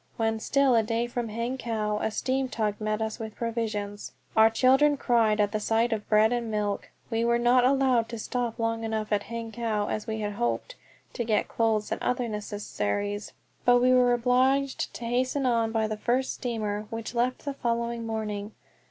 When still a day from Hankow, a steam tug met us with provisions. Our children cried at the sight of bread and milk! We were not allowed to stop long enough at Hankow, as we had hoped, to get clothes and other necessaries, but were obliged to hasten on by the first steamer, which left the following morning.